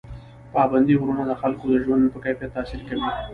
پابندي غرونه د خلکو د ژوند په کیفیت تاثیر کوي.